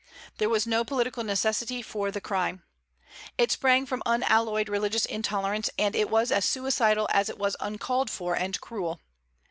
There was no political necessity for the crime. It sprang from unalloyed religious intolerance; and it was as suicidal as it was uncalled for and cruel.